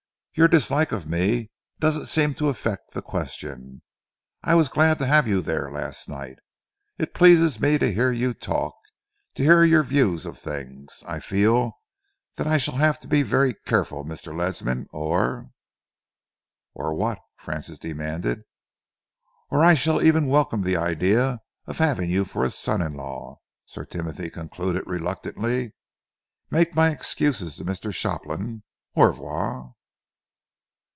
Your dislike of me doesn't seem to affect the question. I was glad to have you there last night. It pleases me to hear you talk, to hear your views of things. I feel that I shall have to be very careful, Mr. Ledsam, or " "Or what?" Francis demanded. "Or I shall even welcome the idea of having you for a son in law," Sir Timothy concluded reluctantly. "Make my excuses to Mr. Shopland. Au revoir!"